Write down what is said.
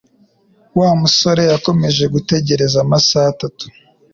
wa musore yakomeje gutegereza amasaha atatu.